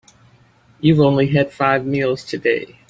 You've only had five meals today.